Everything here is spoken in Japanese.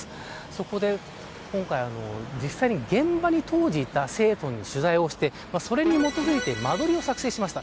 そこで、今回実際に現場に当時いた生徒に取材をしてそれに基づいて間取りを作成しました。